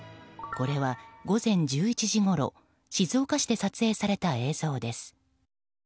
これは午前１１時ごろ静岡市で撮影された映像です。